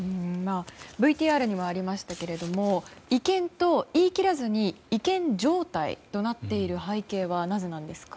ＶＴＲにもありましたけれども違憲と言い切らずに違憲状態となっている背景はなぜなんですか？